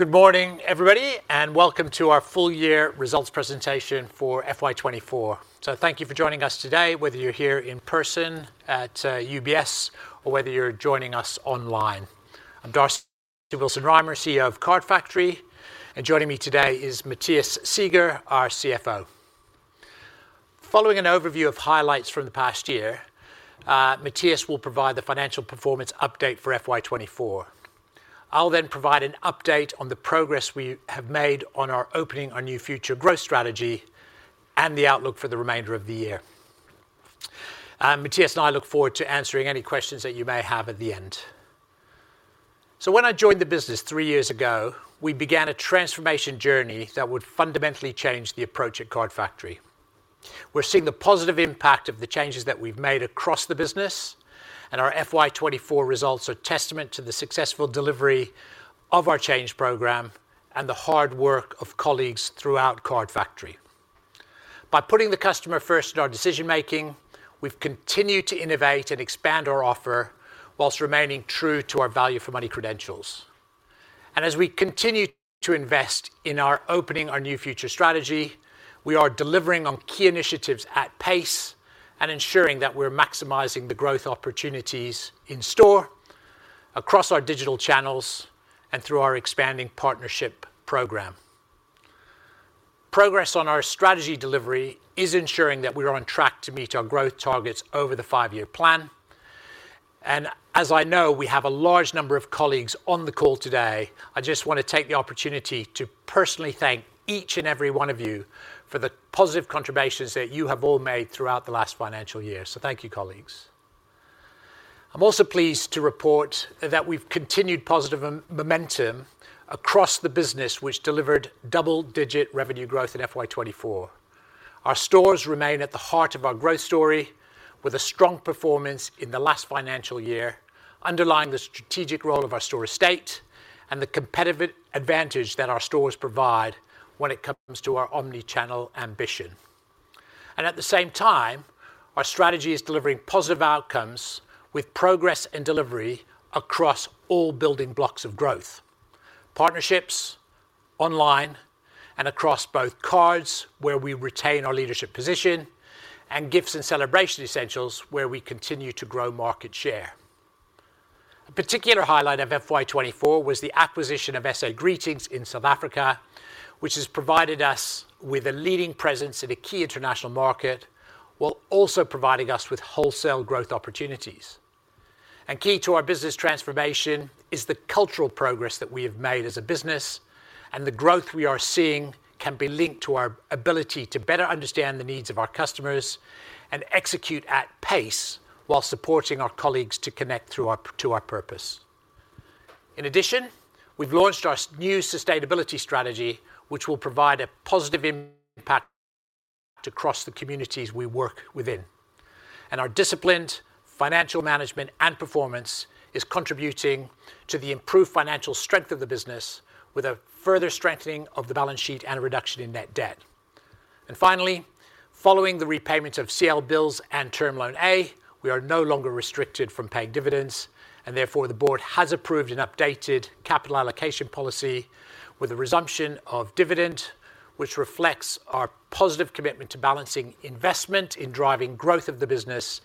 Good morning, everybody, and welcome to our full-year results presentation for FY 2024. So thank you for joining us today, whether you're here in person at UBS or whether you're joining us online. I'm Darcy Willson-Rymer, CEO of Card Factory, and joining me today is Matthias Seeger, our CFO. Following an overview of highlights from the past year, Matthias will provide the financial performance update for FY 2024. I'll then provide an update on the progress we have made on our Opening Our New Future growth strategy and the outlook for the remainder of the year. Matthias and I look forward to answering any questions that you may have at the end. So when I joined the business three years ago, we began a transformation journey that would fundamentally change the approach at Card Factory. We're seeing the positive impact of the changes that we've made across the business, and our FY 2024 results are testament to the successful delivery of our change program and the hard work of colleagues throughout Card Factory. By putting the customer first in our decision-making, we've continued to innovate and expand our offer while remaining true to our value for money credentials. As we continue to invest in our Opening Our New Future strategy, we are delivering on key initiatives at pace and ensuring that we're maximizing the growth opportunities in store, across our digital channels, and through our expanding partnership program. Progress on our strategy delivery is ensuring that we are on track to meet our growth targets over the five-year plan. And as I know, we have a large number of colleagues on the call today, I just want to take the opportunity to personally thank each and every one of you for the positive contributions that you have all made throughout the last financial year. So thank you, colleagues. I'm also pleased to report that we've continued positive momentum across the business, which delivered double-digit revenue growth in FY 2024. Our stores remain at the heart of our growth story, with a strong performance in the last financial year, underlying the strategic role of our store estate and the competitive advantage that our stores provide when it comes to our omni-channel ambition. At the same time, our strategy is delivering positive outcomes with progress and delivery across all building blocks of growth: partnerships, online, and across both cards, where we retain our leadership position, and gifts and celebration essentials, where we continue to grow market share. A particular highlight of FY 2024 was the acquisition of SA Greetings in South Africa, which has provided us with a leading presence in a key international market, while also providing us with wholesale growth opportunities. Key to our business transformation is the cultural progress that we have made as a business, and the growth we are seeing can be linked to our ability to better understand the needs of our customers and execute at pace while supporting our colleagues to connect through our, to our purpose. In addition, we've launched our new sustainability strategy, which will provide a positive impact across the communities we work within. And our disciplined financial management and performance is contributing to the improved financial strength of the business, with a further strengthening of the balance sheet and a reduction in net debt. And finally, following the repayment of CLBILS and Term Loan A, we are no longer restricted from paying dividends, and therefore, the Board has approved an updated capital allocation policy with a resumption of dividend, which reflects our positive commitment to balancing investment in driving growth of the business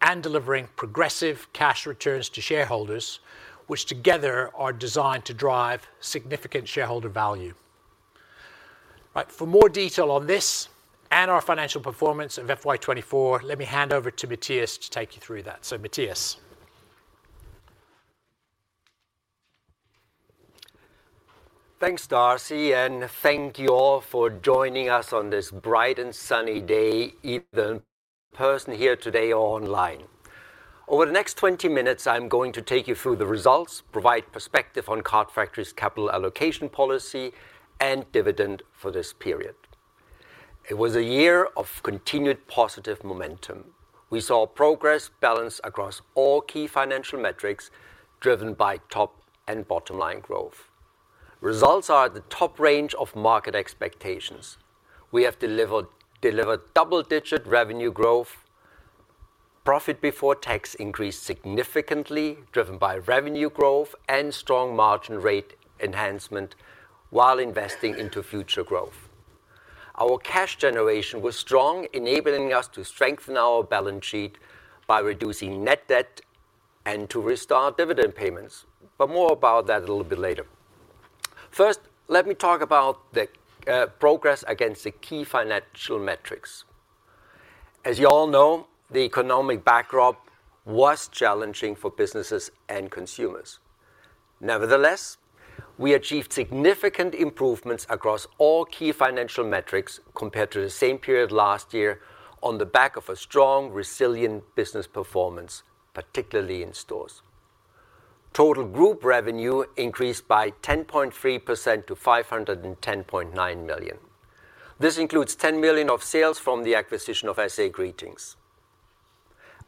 and delivering progressive cash returns to shareholders, which together are designed to drive significant shareholder value. Right, for more detail on this and our financial performance of FY 2024, let me hand over to Matthias to take you through that. So, Matthias? Thanks, Darcy, and thank you all for joining us on this bright and sunny day, either in person here today or online. Over the next 20 minutes, I'm going to take you through the results, provide perspective on Card Factory's capital allocation policy and dividend for this period. It was a year of continued positive momentum. We saw progress balanced across all key financial metrics, driven by top and bottom-line growth. Results are at the top range of market expectations. We have delivered, delivered double-digit revenue growth. Profit before tax increased significantly, driven by revenue growth and strong margin rate enhancement while investing into future growth. Our cash generation was strong, enabling us to strengthen our balance sheet by reducing net debt and to restart dividend payments, but more about that a little bit later. First, let me talk about the progress against the key financial metrics. As you all know, the economic backdrop was challenging for businesses and consumers. Nevertheless, we achieved significant improvements across all key financial metrics compared to the same period last year on the back of a strong, resilient business performance, particularly in stores. Total group revenue increased by 10.3% to 510.9 million. This includes 10 million of sales from the acquisition of SA Greetings.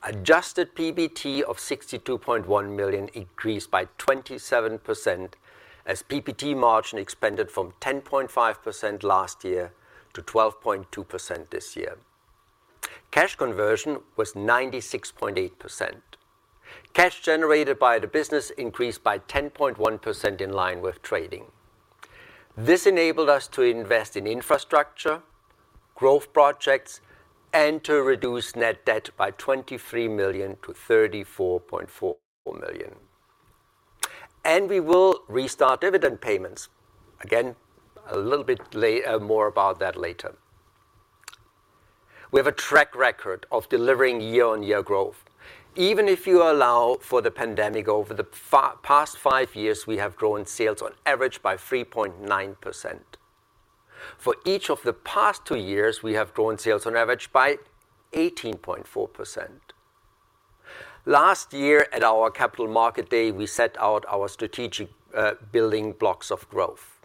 Adjusted PBT of 62.1 million increased by 27%, as PBT margin expanded from 10.5% last year to 12.2% this year. Cash conversion was 96.8%. Cash generated by the business increased by 10.1% in line with trading. This enabled us to invest in infrastructure, growth projects, and to reduce net debt by 23 million to 34.4 million. And we will restart dividend payments. Again, a little bit later, more about that later. We have a track record of delivering year-on-year growth. Even if you allow for the pandemic, over the past five years, we have grown sales on average by 3.9%. For each of the past two years, we have grown sales on average by 18.4%. Last year, at our Capital Markets Day, we set out our strategic building blocks of growth.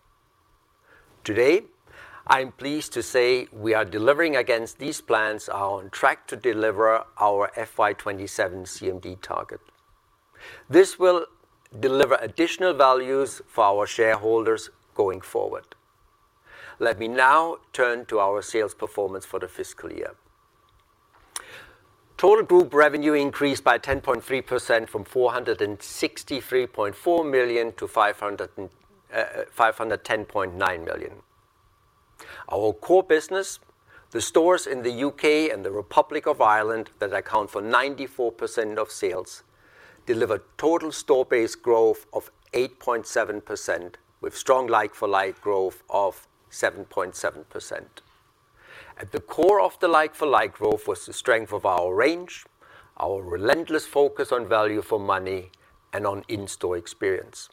Today, I am pleased to say we are delivering against these plans, are on track to deliver our FY 2027 CMD target. This will deliver additional values for our shareholders going forward. Let me now turn to our sales performance for the fiscal year. Total group revenue increased by 10.3% from 463.4 million to 510.9 million. Our core business, the stores in the U.K. and the Republic of Ireland, that account for 94% of sales, delivered total store-based growth of 8.7%, with strong like-for-like growth of 7.7%. At the core of the like-for-like growth was the strength of our range, our relentless focus on value for money, and on in-store experience.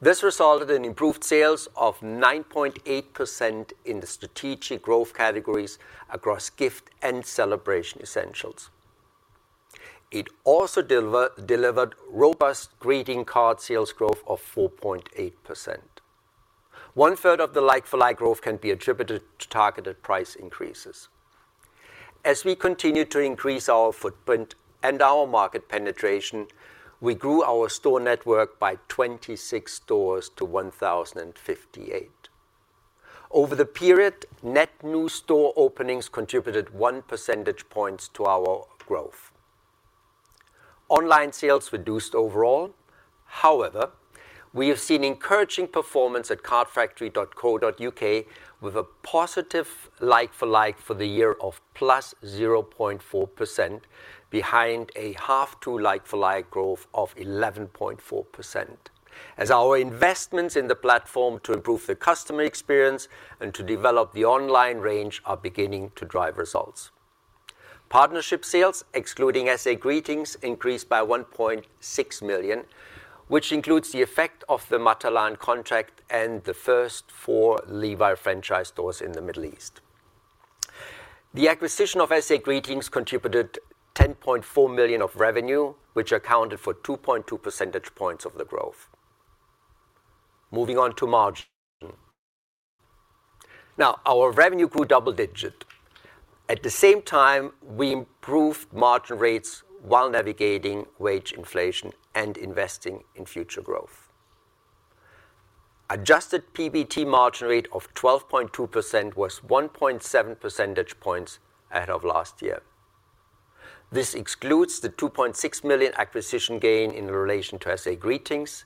This resulted in improved sales of 9.8% in the strategic growth categories across gift and celebration essentials. It also delivered robust greeting card sales growth of 4.8%. One-third of the like-for-like growth can be attributed to targeted price increases. As we continue to increase our footprint and our market penetration, we grew our store network by 26 stores to 1,058. Over the period, net new store openings contributed 1 percentage point to our growth. Online sales reduced overall. However, we have seen encouraging performance at cardfactory.co.uk, with a positive like-for-like for the year of +0.4%, behind a half two like-for-like growth of 11.4%, as our investments in the platform to improve the customer experience and to develop the online range are beginning to drive results. Partnership sales, excluding SA Greetings, increased by 1.6 million, which includes the effect of the Matalan contract and the first 4 Liwa franchise stores in the Middle East. The acquisition of SA Greetings contributed 10.4 million of revenue, which accounted for 2.2 percentage points of the growth. Moving on to margin. Now, our revenue grew double-digit. At the same time, we improved margin rates while navigating wage inflation and investing in future growth. Adjusted PBT margin rate of 12.2% was 1.7 percentage points ahead of last year. This excludes the 2.6 million acquisition gain in relation to SA Greetings,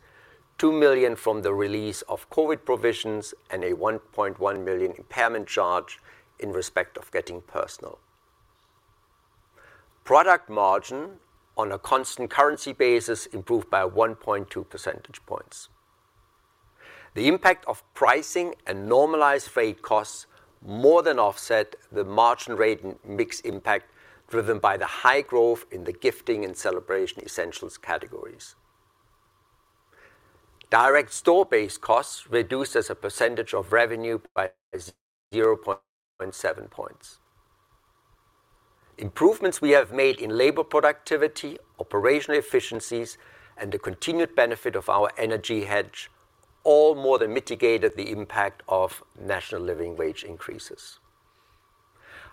2 million from the release of COVID provisions, and a 1.1 million impairment charge in respect of Getting Personal. Product margin on a constant currency basis improved by 1.2 percentage points. The impact of pricing and normalized freight costs more than offset the margin rate and mix impact, driven by the high growth in the gifting and celebration essentials categories. Direct store-based costs reduced as a percentage of revenue by 0.7 points. Improvements we have made in labor productivity, operational efficiencies, and the continued benefit of our energy hedge, all more than mitigated the impact of national living wage increases.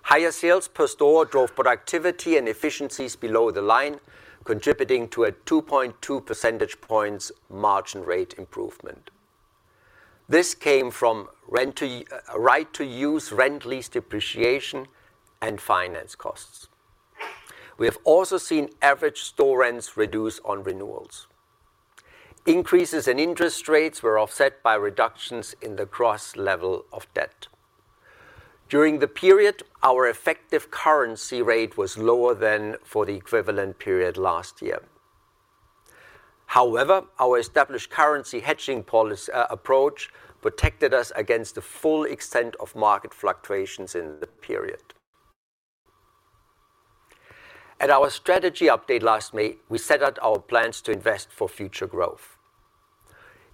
Higher sales per store drove productivity and efficiencies below the line, contributing to a 2.2 percentage points margin rate improvement. This came from right to use rent, lease depreciation, and finance costs. We have also seen average store rents reduce on renewals. Increases in interest rates were offset by reductions in the gross level of debt. During the period, our effective currency rate was lower than for the equivalent period last year. However, our established currency hedging policy approach protected us against the full extent of market fluctuations in the period. At our strategy update last May, we set out our plans to invest for future growth.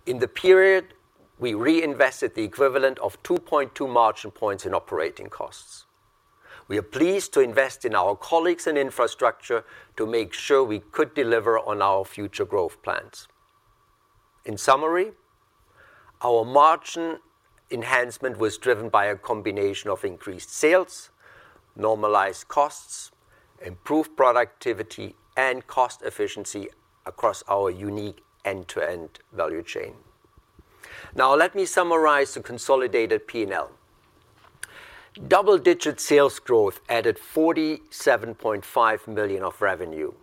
In the period, we reinvested the equivalent of 2.2 margin points in operating costs. We are pleased to invest in our colleagues and infrastructure to make sure we could deliver on our future growth plans. In summary, our margin enhancement was driven by a combination of increased sales, normalized costs, improved productivity, and cost efficiency across our unique end-to-end value chain… Now let me summarize the consolidated P&L. Double-digit sales growth added 47.5 million of revenue.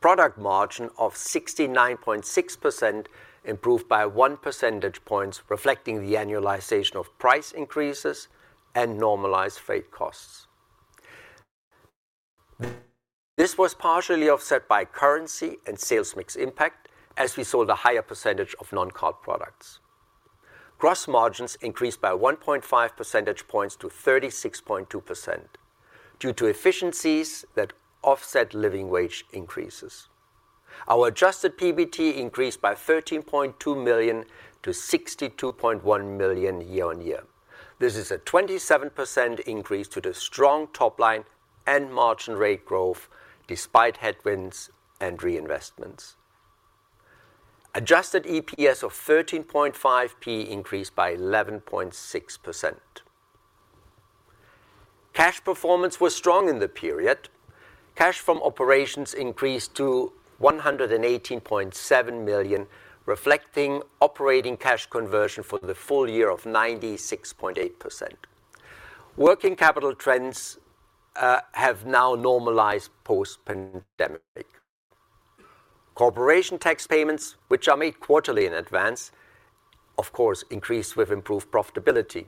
Product margin of 69.6% improved by 1 percentage points, reflecting the annualization of price increases and normalized freight costs. This was partially offset by currency and sales mix impact, as we sold a higher percentage of non-card products. Gross margins increased by 1.5 percentage points to 36.2%, due to efficiencies that offset living wage increases. Our adjusted PBT increased by 13.2 million to 62.1 million year-on-year. This is a 27% increase to the strong top line and margin rate growth, despite headwinds and reinvestments. Adjusted EPS of 0.135 increased by 11.6%. Cash performance was strong in the period. Cash from operations increased to 118.7 million, reflecting operating cash conversion for the full year of 96.8%. Working capital trends have now normalized post-pandemic. Corporation tax payments, which are made quarterly in advance, of course, increased with improved profitability.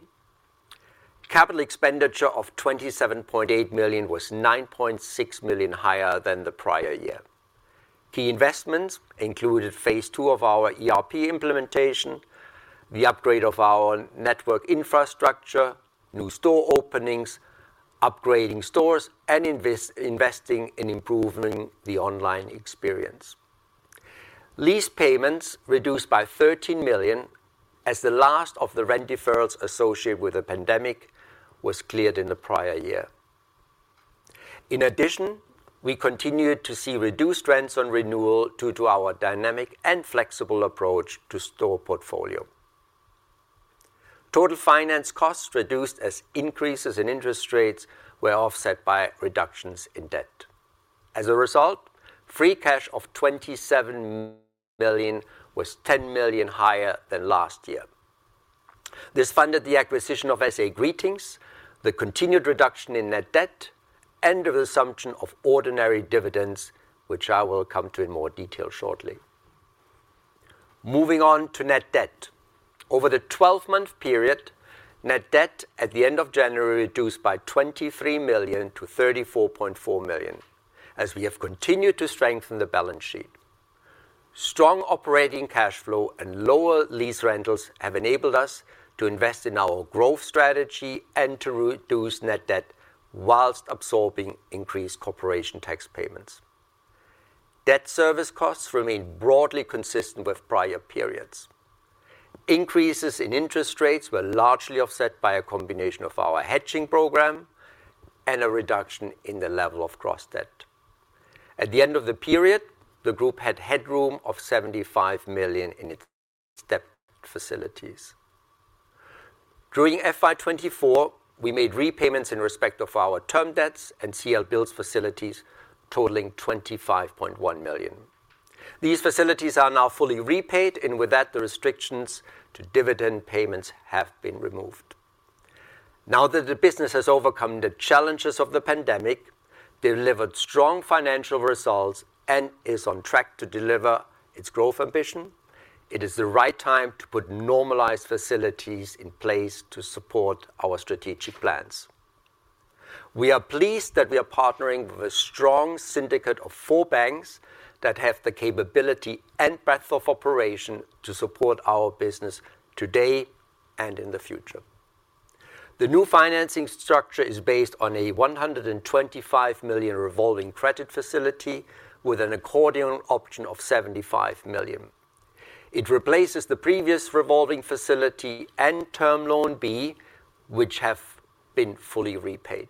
Capital expenditure of 27.8 million was 9.6 million higher than the prior year. Key investments included phase two of our ERP implementation, the upgrade of our network infrastructure, new store openings, upgrading stores, and investing in improving the online experience. Lease payments reduced by 13 million, as the last of the rent deferrals associated with the pandemic was cleared in the prior year. In addition, we continued to see reduced rents on renewal due to our dynamic and flexible approach to store portfolio. Total finance costs reduced as increases in interest rates were offset by reductions in debt. As a result, free cash of 27 million was 10 million higher than last year. This funded the acquisition of SA Greetings, the continued reduction in net debt, and the resumption of ordinary dividends, which I will come to in more detail shortly. Moving on to net debt. Over the 12-month period, net debt at the end of January reduced by 23 million to 34.4 million, as we have continued to strengthen the balance sheet. Strong operating cash flow and lower lease rentals have enabled us to invest in our growth strategy and to reduce net debt while absorbing increased corporation tax payments. Debt service costs remain broadly consistent with prior periods. Increases in interest rates were largely offset by a combination of our hedging program and a reduction in the level of gross debt. At the end of the period, the group had headroom of 75 million in its debt facilities. During FY 2024, we made repayments in respect of our term debts and CLBILS facilities, totaling 25.1 million. These facilities are now fully repaid, and with that, the restrictions to dividend payments have been removed. Now that the business has overcome the challenges of the pandemic, delivered strong financial results, and is on track to deliver its growth ambition, it is the right time to put normalized facilities in place to support our strategic plans. We are pleased that we are partnering with a strong syndicate of four banks that have the capability and breadth of operation to support our business today and in the future. The new financing structure is based on a 125 million revolving credit facility with an accordion option of 75 million. It replaces the previous revolving facility and Term Loan B, which have been fully repaid.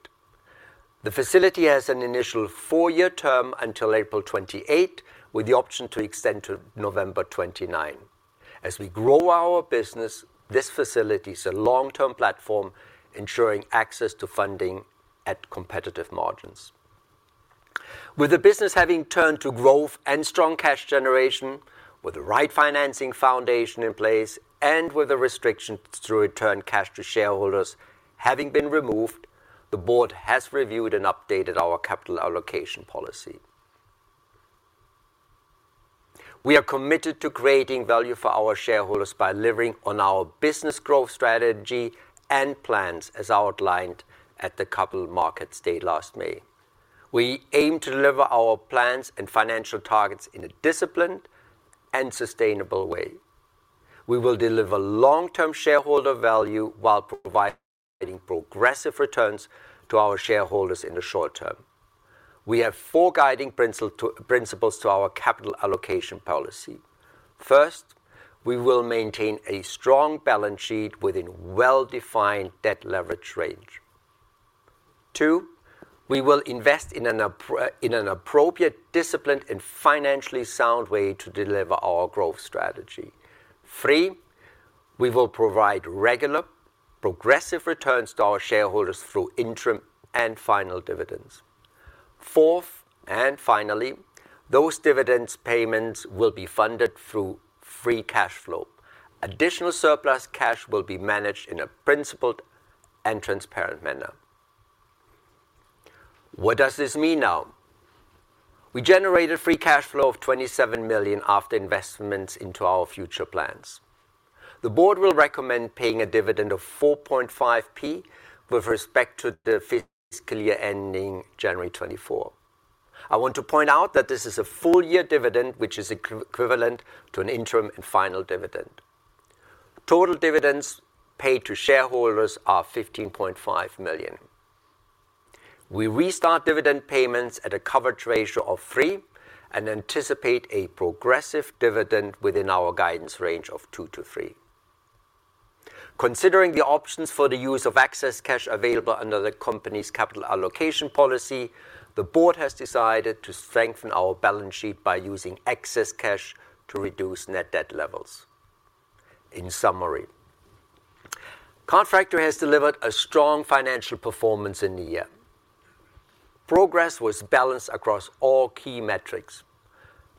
The facility has an initial four-year term until April 2028, with the option to extend to November 2029. As we grow our business, this facility is a long-term platform, ensuring access to funding at competitive margins. With the business having turned to growth and strong cash generation, with the right financing foundation in place, and with the restrictions to return cash to shareholders having been removed, the Board has reviewed and updated our capital allocation policy. We are committed to creating value for our shareholders by delivering on our business growth strategy and plans, as outlined at the Capital Markets Day last May. We aim to deliver our plans and financial targets in a disciplined and sustainable way. We will deliver long-term shareholder value while providing progressive returns to our shareholders in the short term. We have four guiding principles to our capital allocation policy. First, we will maintain a strong balance sheet within well-defined debt leverage range. Two, we will invest in an appropriate, disciplined, and financially sound way to deliver our growth strategy. Three, we will provide regular, progressive returns to our shareholders through interim and final dividends. Fourth, and finally, those dividends payments will be funded through free cash flow. Additional surplus cash will be managed in a principled and transparent manner. What does this mean now? We generated free cash flow of 27 million after investments into our future plans. The Board will recommend paying a dividend of 0.045 with respect to the fiscal year ending January 2024. I want to point out that this is a full year dividend, which is equivalent to an interim and final dividend. Total dividends paid to shareholders are 15.5 million. We restart dividend payments at a coverage ratio of 3 and anticipate a progressive dividend within our guidance range of 2-3. Considering the options for the use of excess cash available under the company's capital allocation policy, the Board has decided to strengthen our balance sheet by using excess cash to reduce net debt levels. In summary, Card Factory has delivered a strong financial performance in the year. Progress was balanced across all key metrics.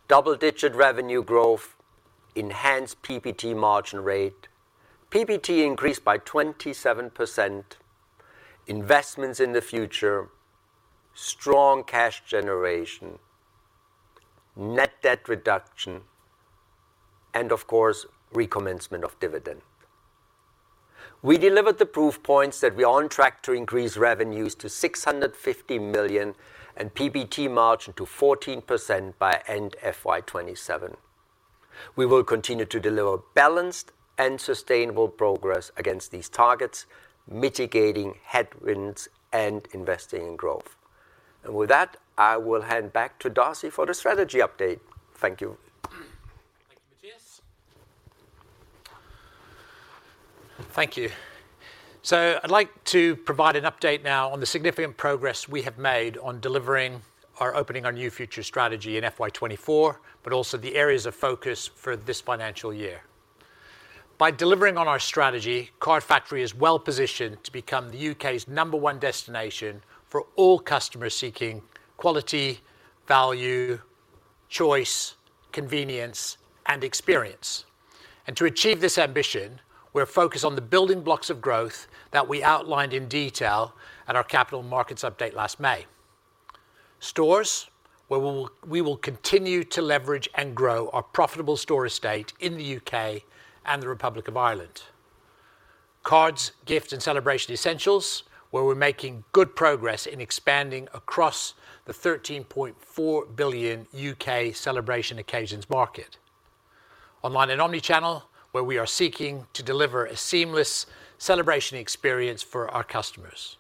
Double-digit revenue growth, enhanced PBT margin rate, PBT increased by 27%, investments in the future, strong cash generation, net debt reduction, and of course, recommencement of dividend. We delivered the proof points that we are on track to increase revenues to 650 million and PBT margin to 14% by end FY 2027. We will continue to deliver balanced and sustainable progress against these targets, mitigating headwinds and investing in growth. With that, I will hand back to Darcy for the strategy update. Thank you. Thank you, Matthias. Thank you. So I'd like to provide an update now on the significant progress we have made on delivering our--Opening Our New Future strategy in FY 2024, but also the areas of focus for this financial year. By delivering on our strategy, Card Factory is well-positioned to become the U.K.'s number one destination for all customers seeking quality, value, choice, convenience, and experience. And to achieve this ambition, we're focused on the building blocks of growth that we outlined in detail at our Capital Markets update last May. Stores, where we will, we will continue to leverage and grow our profitable store estate in the U.K. and the Republic of Ireland. Cards, gift, and celebration essentials, where we're making good progress in expanding across the 13.4 billion U.K. celebration occasions market. Online and omni-channel, where we are seeking to deliver a seamless celebration experience for our customers.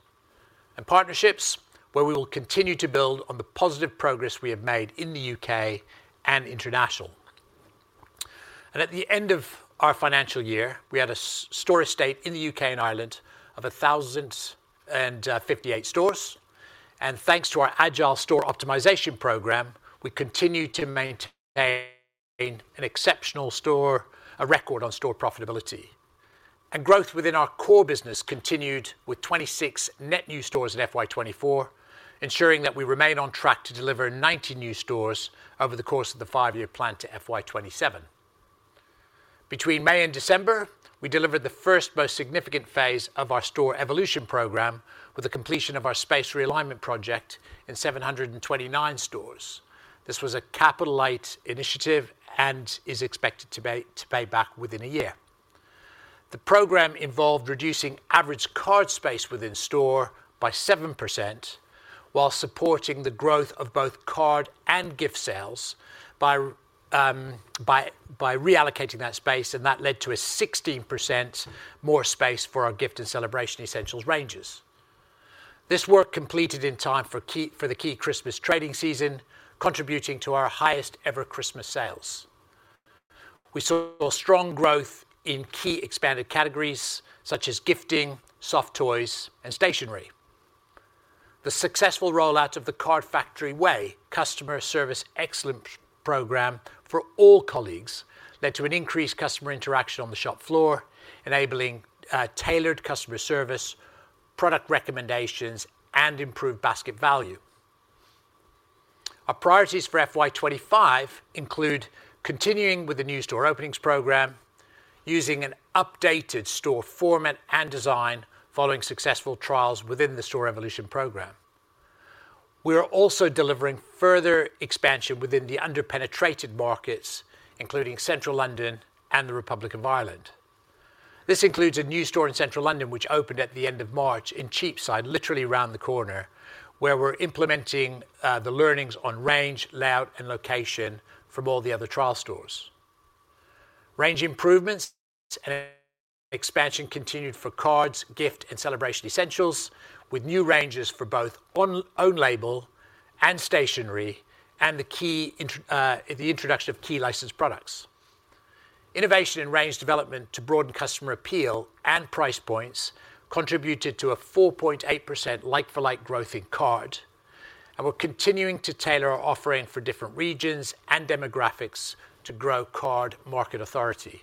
Partnerships, where we will continue to build on the positive progress we have made in the U.K. and international. At the end of our financial year, we had a store estate in the U.K. and Ireland of 1,058 stores, and thanks to our agile store optimization program, we continued to maintain an exceptional store, a record on store profitability. Growth within our core business continued with 26 net new stores in FY 2024, ensuring that we remain on track to deliver 90 new stores over the course of the five-year plan to FY 2027. Between May and December, we delivered the first most significant phase of our Store Evolution program with the completion of our space realignment project in 729 stores. This was a capital-light initiative and is expected to pay back within a year. The program involved reducing average card space within store by 7%, while supporting the growth of both card and gift sales by reallocating that space, and that led to 16% more space for our gift and celebration essentials ranges. This work completed in time for the key Christmas trading season, contributing to our highest ever Christmas sales. We saw strong growth in key expanded categories such as gifting, soft toys, and stationery. The successful rollout of The Card Factory Way customer service excellence program for all colleagues led to an increased customer interaction on the shop floor, enabling tailored customer service, product recommendations, and improved basket value. Our priorities for FY 2025 include continuing with the new store openings program, using an updated store format and design following successful trials within the Store Evolution program. We are also delivering further expansion within the under-penetrated markets, including Central London and the Republic of Ireland. This includes a new store in Central London, which opened at the end of March in Cheapside, literally around the corner, where we're implementing the learnings on range, layout, and location from all the other trial stores. Range improvements and expansion continued for cards, gift, and celebration essentials, with new ranges for both own-label and stationery, and the introduction of key licensed products. Innovation and range development to broaden customer appeal and price points contributed to a 4.8% like-for-like growth in card, and we're continuing to tailor our offering for different regions and demographics to grow card market authority.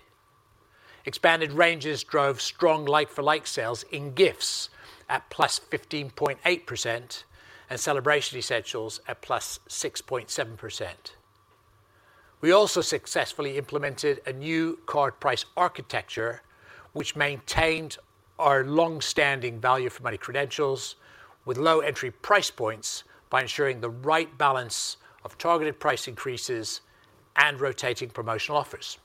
Expanded ranges drove strong like-for-like sales in gifts at +15.8%, and celebration essentials at +6.7%. We also successfully implemented a new card price architecture, which maintained our long-standing value for money credentials, with low entry price points, by ensuring the right balance of targeted price increases and rotating promotional offers.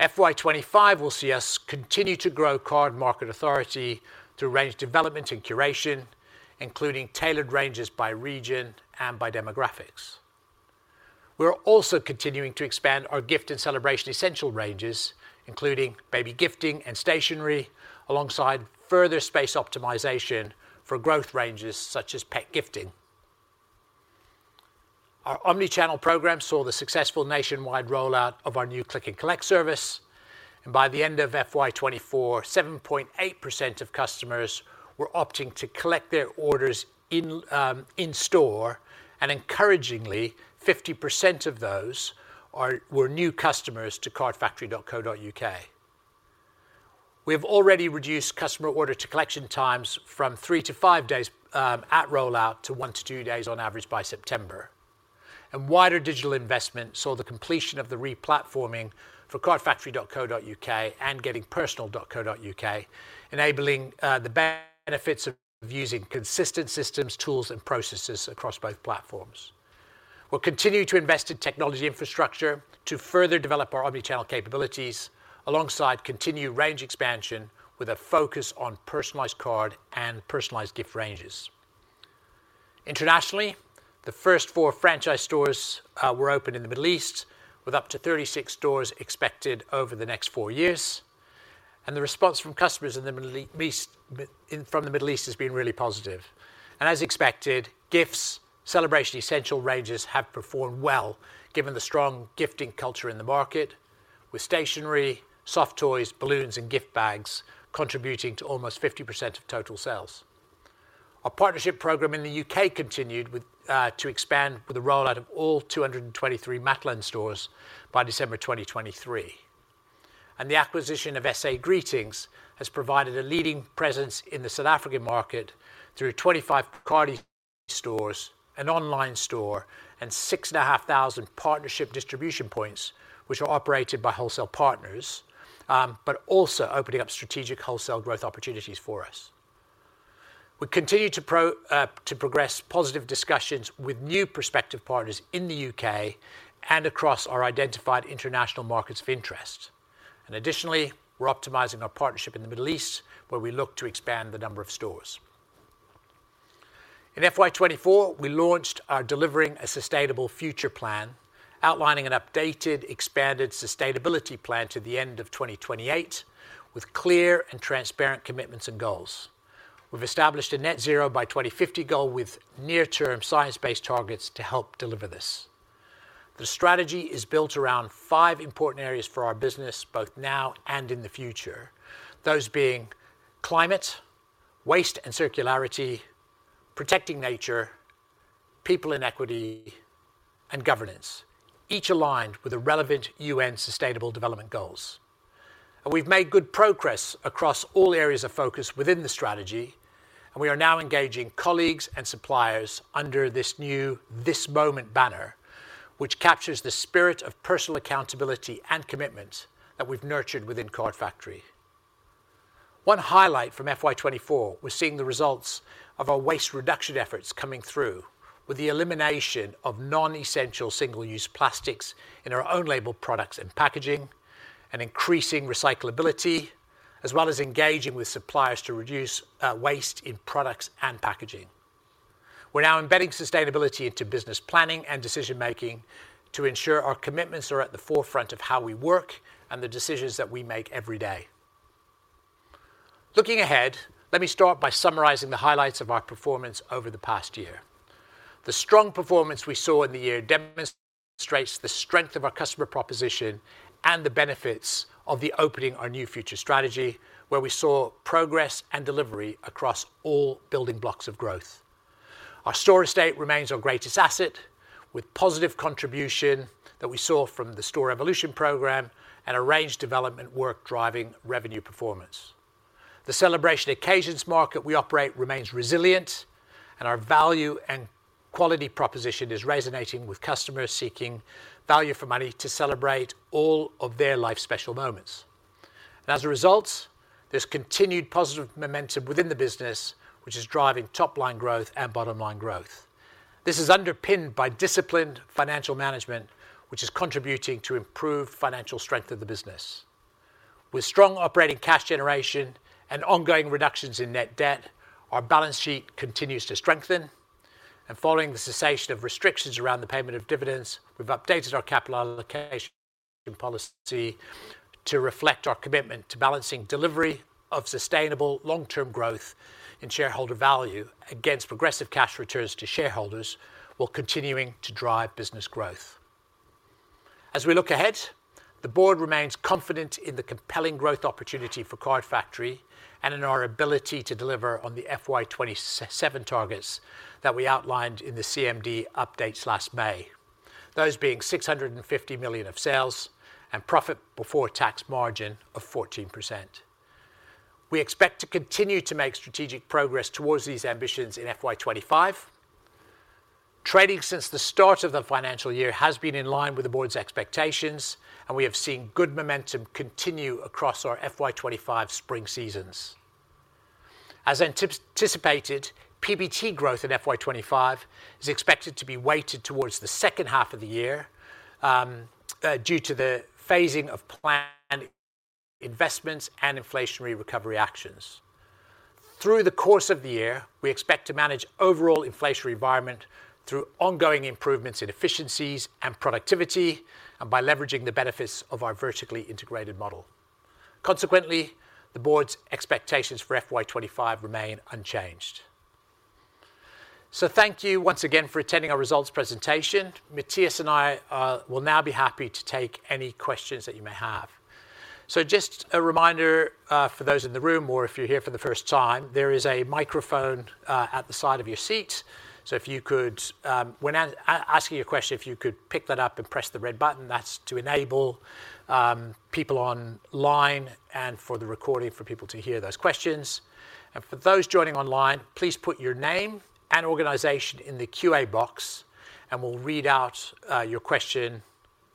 FY 2025 will see us continue to grow card market authority through range development and curation, including tailored ranges by region and by demographics. We're also continuing to expand our gift and celebration essential ranges, including baby gifting and stationery, alongside further space optimization for growth ranges such as pet gifting. Our omni-channel program saw the successful nationwide rollout of our new click and collect service, and by the end of FY 2024, 7.8% of customers were opting to collect their orders in store, and encouragingly, 50% of those are, were new customers to cardfactory.co.uk. We have already reduced customer order-to-collection times from three to five days at rollout, to one to two days on average by September. Wider digital investment saw the completion of the re-platforming for cardfactory.co.uk and gettingpersonal.co.uk, enabling the benefits of using consistent systems, tools, and processes across both platforms. We'll continue to invest in technology infrastructure to further develop our omni-channel capabilities, alongside continued range expansion, with a focus on personalized card and personalized gift ranges. Internationally, the first four franchise stores were opened in the Middle East, with up to 36 stores expected over the next four years, and the response from customers in the Middle East has been really positive. As expected, gifts, celebration essential ranges have performed well, given the strong gifting culture in the market, with stationery, soft toys, balloons, and gift bags contributing to almost 50% of total sales. Our partnership program in the U.K. continued with to expand with the rollout of all 223 Matalan stores by December 2023. And the acquisition of SA Greetings has provided a leading presence in the South African market through 25 Card stores, an online store, and 6,500 partnership distribution points, which are operated by wholesale partners, but also opening up strategic wholesale growth opportunities for us. We continue to progress positive discussions with new prospective partners in the U.K. and across our identified international markets of interest. And additionally, we're optimizing our partnership in the Middle East, where we look to expand the number of stores. In FY 2024, we launched our Delivering a Sustainable Future plan, outlining an updated, expanded sustainability plan to the end of 2028, with clear and transparent commitments and goals. We've established a net zero by 2050 goal with near-term science-based targets to help deliver this. The strategy is built around five important areas for our business, both now and in the future. Those being climate, waste and circularity, protecting nature, people and equity, and governance, each aligned with the relevant UN Sustainable Development Goals. And we've made good progress across all areas of focus within the strategy, and we are now engaging colleagues and suppliers under this new This Moment banner, which captures the spirit of personal accountability and commitment that we've nurtured within Card Factory. One highlight from FY 2024 was seeing the results of our waste reduction efforts coming through, with the elimination of non-essential single-use plastics in our own label products and packaging, and increasing recyclability, as well as engaging with suppliers to reduce waste in products and packaging. We're now embedding sustainability into business planning and decision-making to ensure our commitments are at the forefront of how we work and the decisions that we make every day. Looking ahead, let me start by summarizing the highlights of our performance over the past year. The strong performance we saw in the year demonstrates the strength of our customer proposition and the benefits of the Opening Our New Future strategy, where we saw progress and delivery across all building blocks of growth. Our store estate remains our greatest asset, with positive contribution that we saw from the Store Evolution program and a range development work driving revenue performance. The celebration occasions market we operate remains resilient, and our value and quality proposition is resonating with customers seeking value for money to celebrate all of their life's special moments. As a result, there's continued positive momentum within the business, which is driving top-line growth and bottom-line growth. This is underpinned by disciplined financial management, which is contributing to improved financial strength of the business. With strong operating cash generation and ongoing reductions in net debt, our balance sheet continues to strengthen. And following the cessation of restrictions around the payment of dividends, we've updated our capital allocation policy to reflect our commitment to balancing delivery of sustainable long-term growth in shareholder value against progressive cash returns to shareholders, while continuing to drive business growth. As we look ahead, the Board remains confident in the compelling growth opportunity for Card Factory and in our ability to deliver on the FY 2027 targets that we outlined in the CMD updates last May. Those being 650 million of sales and profit before tax margin of 14%. We expect to continue to make strategic progress towards these ambitions in FY 2025. Trading since the start of the financial year has been in line with the Board's expectations, and we have seen good momentum continue across our FY 2025 spring seasons. As anticipated, PBT growth in FY 2025 is expected to be weighted towards the second half of the year, due to the phasing of planned investments and inflationary recovery actions. Through the course of the year, we expect to manage overall inflationary environment through ongoing improvements in efficiencies and productivity, and by leveraging the benefits of our vertically integrated model. Consequently, the Board's expectations for FY 2025 remain unchanged. So thank you once again for attending our results presentation. Matthias and I will now be happy to take any questions that you may have. So just a reminder, for those in the room or if you're here for the first time, there is a microphone at the side of your seat. So if you could, when asking a question, if you could pick that up and press the red button, that's to enable people online and for the recording for people to hear those questions. And for those joining online, please put your name and organization in the QA box, and we'll read out your question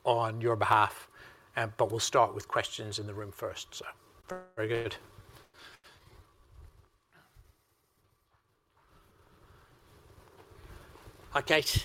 on your behalf. But we'll start with questions in the room first. So very good. Hi, Kate.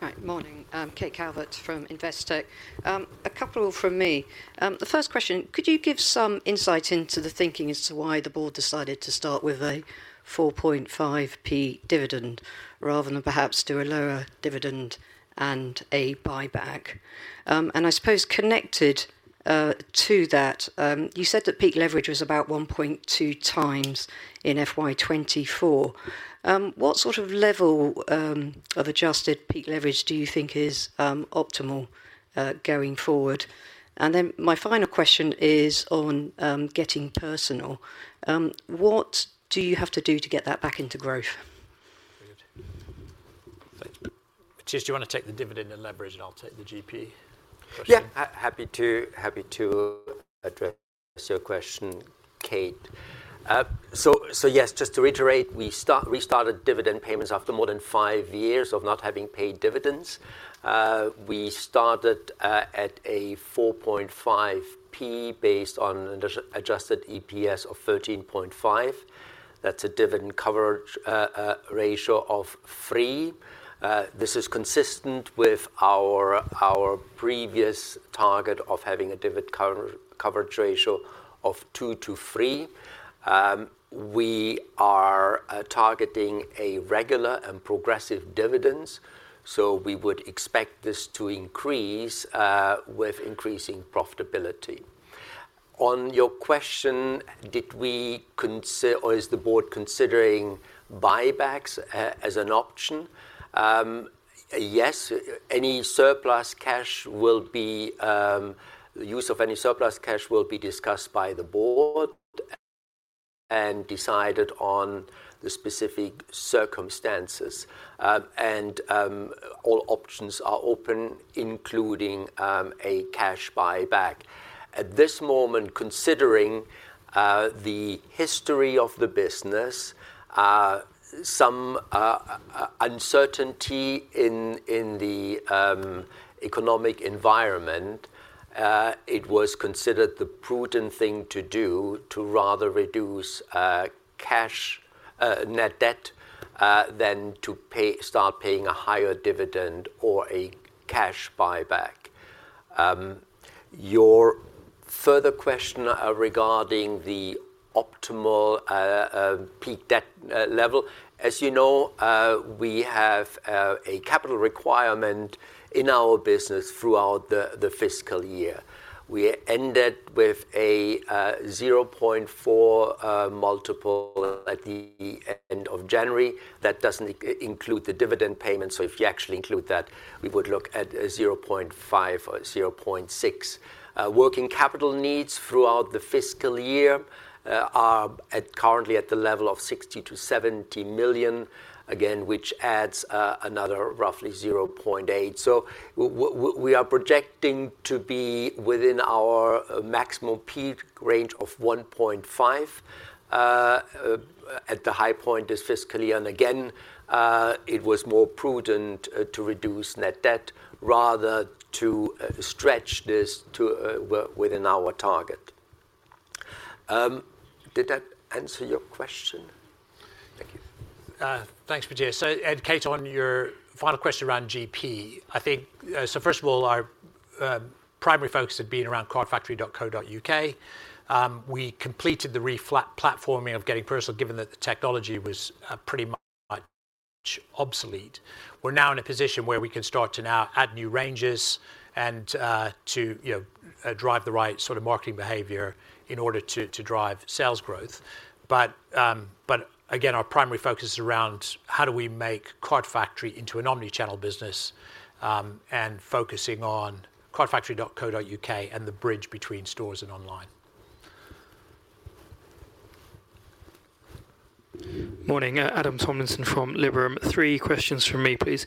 Hi. Morning, Kate Calvert from Investec. A couple from me. The first question, could you give some insight into the thinking as to why the Board decided to start with a 0.045 dividend rather than perhaps do a lower dividend and a buyback? And I suppose connected, to that, you said that peak leverage was about 1.2x in FY 2024. What sort of level, of adjusted peak leverage do you think is, optimal, going forward? And then my final question is on, Getting Personal. What do you have to do to get that back into growth? Good. Thanks. Matthias, do you want to take the dividend and leverage, and I'll take the GP question? Yeah, happy to address your question, Kate. So yes, just to reiterate, we started dividend payments after more than five years of not having paid dividends. We started at 0.045 based on the adjusted EPS of 13.5. That's a dividend coverage ratio of 3. This is consistent with our previous target of having a dividend coverage ratio of 2-3. We are targeting regular and progressive dividends, so we would expect this to increase with increasing profitability. On your question, did we consider or is the Board considering buybacks as an option? Yes, use of any surplus cash will be discussed by the Board and decided on the specific circumstances. All options are open, including a cash buyback. At this moment, considering the history of the business, some uncertainty in the economic environment, it was considered the prudent thing to do to rather reduce cash net debt than to pay, start paying a higher dividend or a cash buyback. Your further question regarding the optimal peak debt level, as you know, we have a capital requirement in our business throughout the fiscal year. We ended with a 0.4 multiple at the end of January. That doesn't include the dividend payment, so if you actually include that, we would look at a 0.5 or 0.6. Working capital needs throughout the fiscal year are currently at the level of 60 million-70 million, again, which adds another roughly 0.8. So we are projecting to be within our maximum peak range of 1.5 at the high point this fiscal year, and again, it was more prudent to reduce net debt rather to stretch this to within our target. Did that answer your question? Thank you. Thanks, Matthias. So, and Kate, on your final question around GP, I think, so first of all, our primary focus had been around cardfactory.co.uk. We completed the re-platforming of Getting Personal, given that the technology was pretty much obsolete. We're now in a position where we can start to now add new ranges and to, you know, drive the right sort of marketing behavior in order to drive sales growth. But, but again, our primary focus is around how do we make Card Factory into an omni-channel business, and focusing on cardfactory.co.uk and the bridge between stores and online. Morning, Adam Tomlinson from Liberum. Three questions from me, please.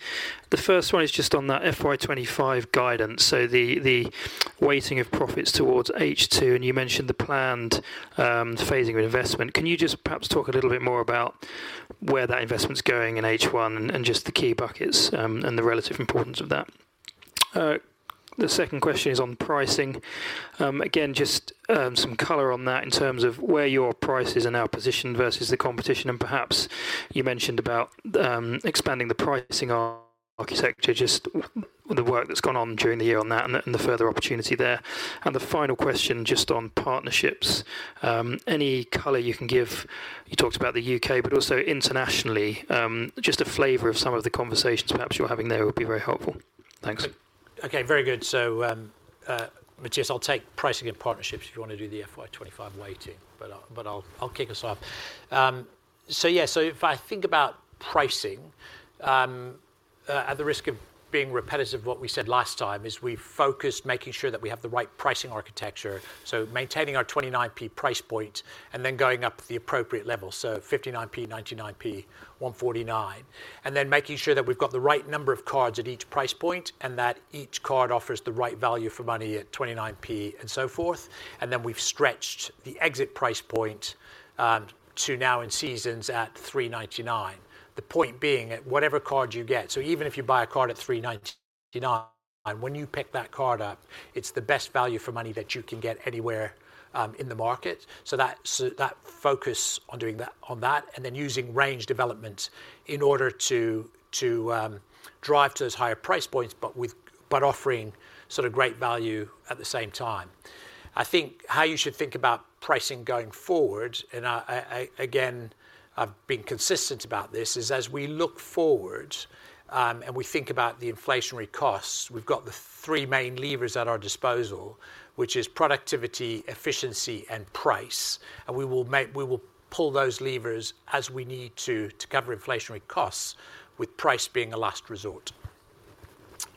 The first one is just on that FY 2025 guidance, so the weighting of profits towards H2, and you mentioned the planned phasing of investment. Can you just perhaps talk a little bit more about where that investment's going in H1 and just the key buckets and the relative importance of that? The second question is on pricing. Again, just some color on that in terms of where your prices are now positioned versus the competition, and perhaps you mentioned about expanding the pricing architecture, just the work that's gone on during the year on that and the further opportunity there. The final question, just on partnerships, any color you can give, you talked about the U.K., but also internationally, just a flavor of some of the conversations perhaps you're having there would be very helpful. Thanks. Okay, very good. So, Matthias, I'll take pricing and partnerships if you want to do the FY 2025 weighting, but I'll kick us off. So yeah, so if I think about pricing, at the risk of being repetitive, what we said last time is we focused making sure that we have the right pricing architecture, so maintaining our 0.29 price point and then going up the appropriate level, so 0.59, 0.99, 1.49. And then making sure that we've got the right number of cards at each price point, and that each card offers the right value for money at 0.29 and so forth. And then we've stretched the exit price point to now in seasons at 3.99. The point being, whatever card you get, so even if you buy a card at 3.99, when you pick that card up, it's the best value for money that you can get anywhere, in the market. So that's, so that focus on doing that, on that, and then using range development in order to, to, drive to those higher price points, but offering sort of great value at the same time. I think how you should think about pricing going forward, and I, again, I've been consistent about this, is as we look forward, and we think about the inflationary costs, we've got the three main levers at our disposal, which is productivity, efficiency, and price. And we will pull those levers as we need to, to cover inflationary costs, with price being a last resort.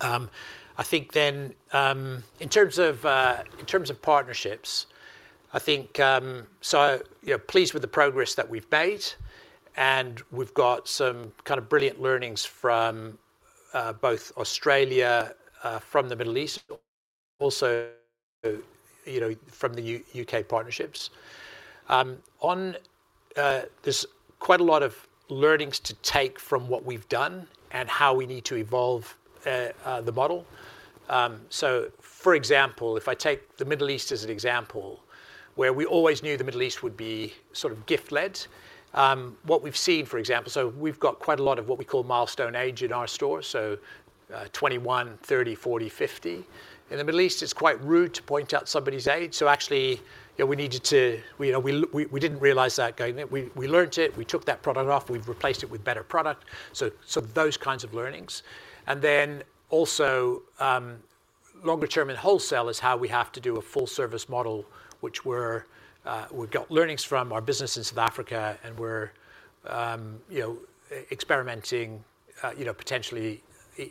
I think then in terms of partnerships, I think, so, you know, pleased with the progress that we've made, and we've got some kind of brilliant learnings from both Australia, from the Middle East, also, you know, from the U.K. partnerships. There's quite a lot of learnings to take from what we've done and how we need to evolve the model. So for example, if I take the Middle East as an example, where we always knew the Middle East would be sort of gift-led, what we've seen, for example, so we've got quite a lot of what we call milestone age in our store, so 21, 30, 40, 50. In the Middle East, it's quite rude to point out somebody's age, so actually, you know, we needed to, you know, we didn't realize that going in. We learned it, we took that product off, we've replaced it with better product. So those kinds of learnings. And then also, longer-term in wholesale is how we have to do a full-service model, which we're, we've got learnings from our business in South Africa, and we're, you know, experimenting, you know, potentially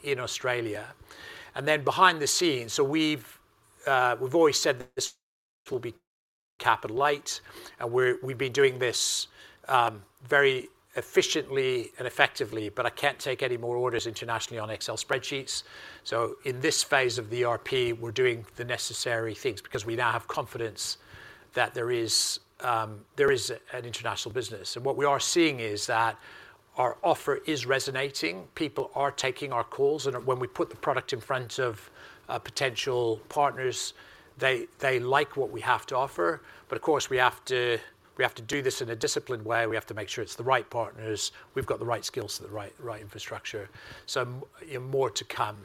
in Australia. And then behind the scenes, so we've, we've always said that this will be capital light, and we're, we've been doing this, very efficiently and effectively, but I can't take any more orders internationally on Excel spreadsheets. So in this phase of the ERP, we're doing the necessary things because we now have confidence that there is, there is an international business. And what we are seeing is that our offer is resonating, people are taking our calls, and when we put the product in front of potential partners, they, they like what we have to offer. But of course, we have to, we have to do this in a disciplined way. We have to make sure it's the right partners. We've got the right skills to the right, right infrastructure. So, more to come.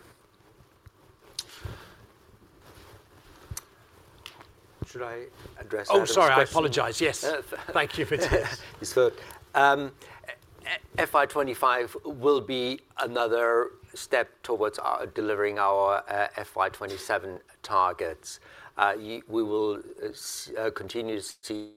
Should I address that as well? Oh, sorry. I apologize. Yes. Uh, Thank you, Matthias. Yes, good. FY 2025 will be another step towards delivering our FY 2027 targets. We will continue to see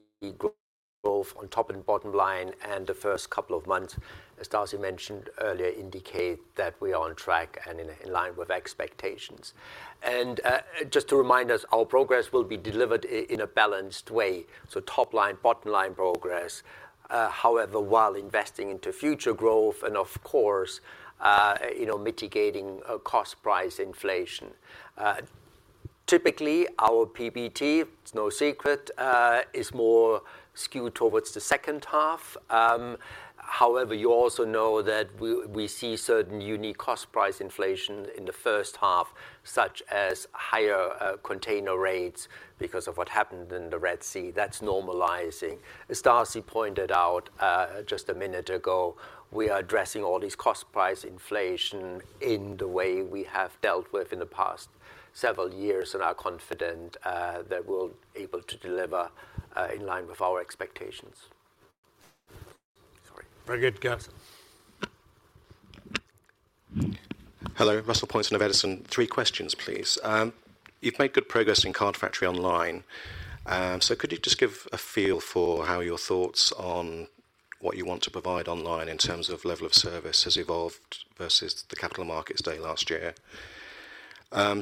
growth on top and bottom line, and the first couple of months, as Darcy mentioned earlier, indicate that we are on track and in line with expectations. And just to remind us, our progress will be delivered in a balanced way, so top-line, bottom-line progress, however, while investing into future growth and of course, you know, mitigating cost price inflation. Typically, our PBT, it's no secret, is more skewed towards the second half. However, you also know that we see certain unique cost price inflation in the first half, such as higher container rates, because of what happened in the Red Sea. That's normalizing. As Darcy pointed out, just a minute ago, we are addressing all these cost price inflation in the way we have dealt with in the past several years and are confident that we're able to deliver in line with our expectations. Sorry. Very good. Rus? Hello, Russell Pointon of Edison. Three questions, please. You've made good progress in Card Factory online, so could you just give a feel for how your thoughts on what you want to provide online in terms of level of service has evolved versus the Capital Markets Day last year?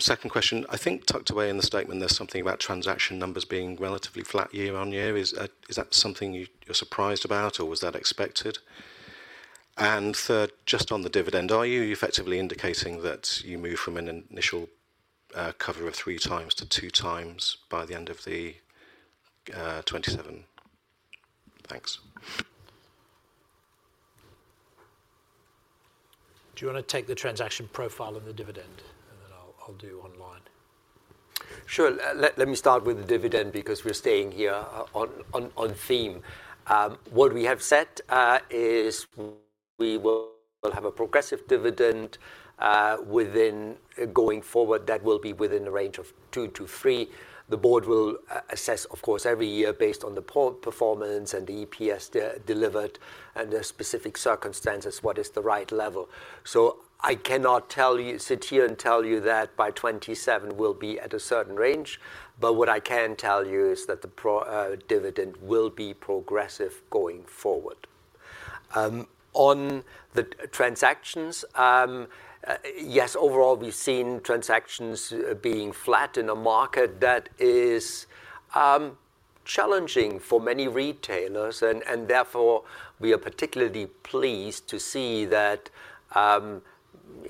Second question. I think tucked away in the statement, there's something about transaction numbers being relatively flat year-on-year. Is that something you're surprised about, or was that expected? And third, just on the dividend, are you effectively indicating that you moved from an initial cover of three times to two times by the end of 2027? Thanks. Do you wanna take the transaction profile and the dividend, and then I'll do online? Sure. Let me start with the dividend because we're staying here on theme. What we have set is we will have a progressive dividend within. Going forward, that will be within the range of 2-3. The Board will assess, of course, every year based on the performance and the EPS delivered and the specific circumstances, what is the right level. So I cannot sit here and tell you that by 2027, we'll be at a certain range, but what I can tell you is that the progressive dividend will be progressive going forward. On the transactions, yes, overall, we've seen transactions being flat in a market that is challenging for many retailers, and therefore, we are particularly pleased to see that,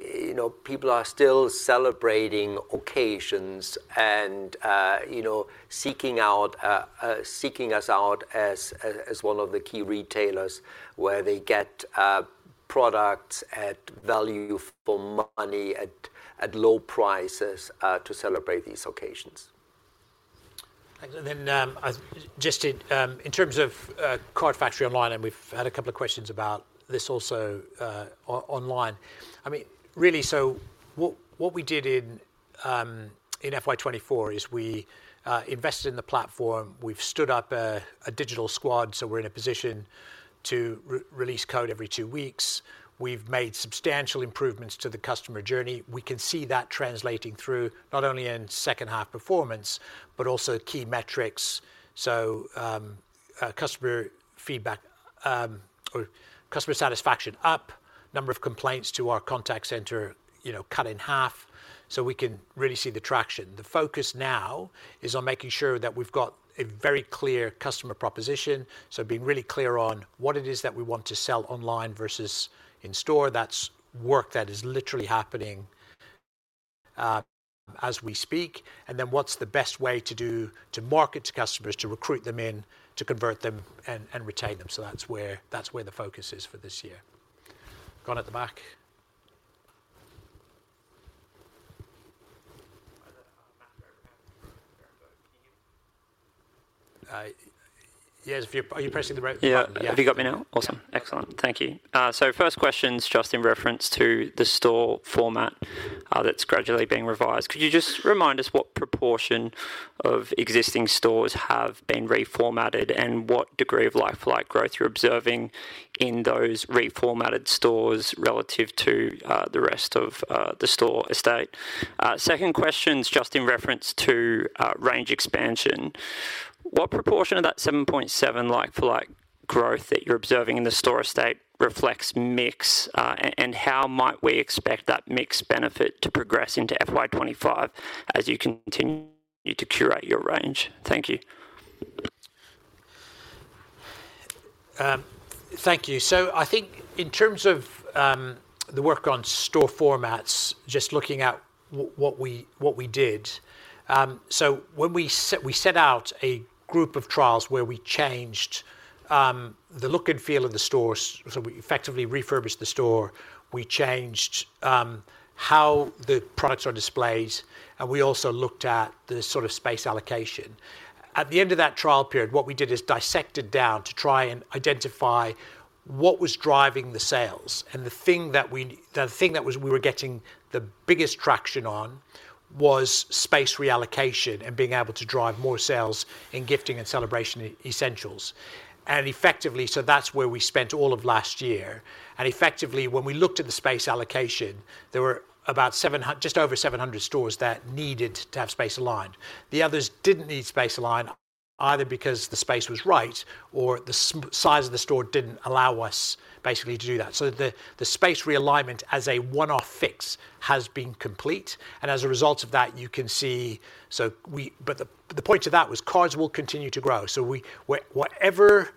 you know, people are still celebrating occasions and, you know, seeking us out as one of the key retailers where they get products at value for money, at low prices, to celebrate these occasions. Thanks. And then, I just, in terms of, Card Factory online, and we've had a couple of questions about this also, online. I mean, really, so what we did in FY 2024 is we invested in the platform. We've stood up a digital squad, so we're in a position to release code every two weeks. We've made substantial improvements to the customer journey. We can see that translating through not only in second-half performance, but also key metrics. So, customer feedback, or customer satisfaction up, number of complaints to our contact center, you know, cut in half, so we can really see the traction. The focus now is on making sure that we've got a very clear customer proposition, so being really clear on what it is that we want to sell online versus in-store. That's work that is literally happening, as we speak, and then what's the best way to do, to market to customers, to recruit them in, to convert them, and retain them? So that's where, that's where the focus is for this year. Gone at the back? Hi there, Matt... Can you hear me? Yes, if you're... Are you pressing the right button? Yeah. Yes. Have you got me now? Awesome. Excellent. Thank you. So first question's just in reference to the store format that's gradually being revised. Could you just remind us what proportion of existing stores have been reformatted, and what degree of like-for-like growth you're observing in those reformatted stores relative to the rest of the store estate? Second question's just in reference to range expansion. What proportion of that 7.7 like-for-like growth that you're observing in the store estate reflects mix and how might we expect that mix benefit to progress into FY 2025 as you continue to curate your range? Thank you. Thank you. So I think in terms of the work on store formats, just looking at what we did, so when we set out a group of trials where we changed the look and feel of the stores, so we effectively refurbished the store. We changed how the products are displayed, and we also looked at the sort of space allocation. At the end of that trial period, what we did is dissected down to try and identify what was driving the sales, and the thing that we were getting the biggest traction on was space reallocation and being able to drive more sales in gifting and celebration essentials. Effectively, so that's where we spent all of last year, and effectively, when we looked at the space allocation, there were about just over 700 stores that needed to have space aligned. The others didn't need space aligned, either because the space was right or the size of the store didn't allow us basically to do that. So the space realignment as a one-off fix has been complete, and as a result of that, you can see. So we but the point to that was cards will continue to grow. So we whatever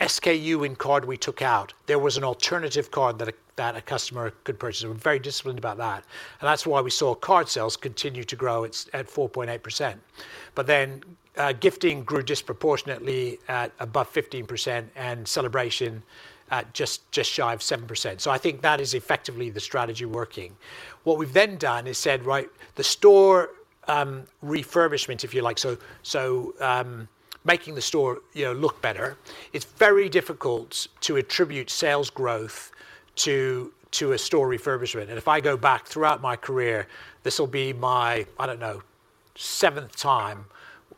SKU in card we took out, there was an alternative card that a customer could purchase. We're very disciplined about that, and that's why we saw card sales continue to grow at 4.8%. But then, gifting grew disproportionately at above 15%, and celebration at just shy of 7%. So I think that is effectively the strategy working. What we've then done is said, right, the store refurbishment, if you like, so, making the store, you know, look better, it's very difficult to attribute sales growth to a store refurbishment. And if I go back throughout my career, this will be my, I don't know, seventh time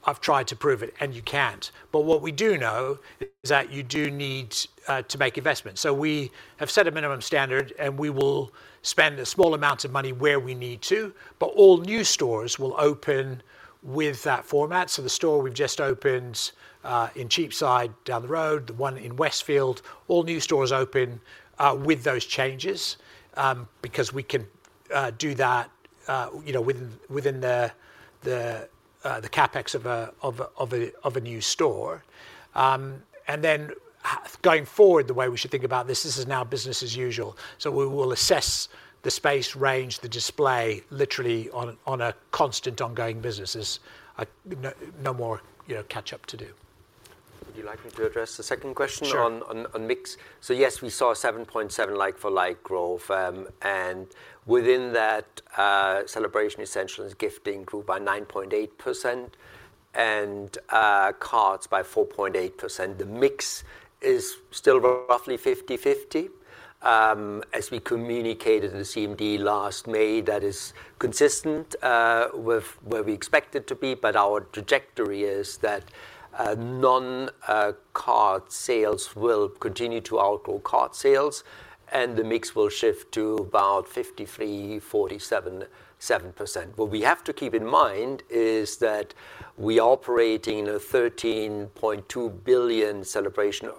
I've tried to prove it, and you can't. But what we do know is that you do need to make investments. So we have set a minimum standard, and we will spend a small amount of money where we need to, but all new stores will open with that format. So the store we've just opened in Cheapside, down the road, the one in Westfield, all new stores open with those changes because we can do that, you know, within the CapEx of a new store. And then going forward, the way we should think about this, this is now business as usual. So we will assess the space range, the display, literally on a constant ongoing business. There's no more, you know, catch-up to do. Would you like me to address the second question? Sure... on mix? So yes, we saw a 7.7 like-for-like growth. And within that, celebration essentials, gifting grew by 9.8% and, cards by 4.8%. The mix is still roughly 50/50. As we communicated in the CMD last May, that is consistent with where we expect it to be, but our trajectory is that non-card sales will continue to outgrow card sales, and the mix will shift to about 53%, 47%, 7%. What we have to keep in mind is that we are operating in a 13.2 billion celebration